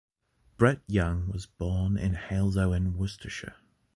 Brett Young was born in Halesowen, Worcestershire.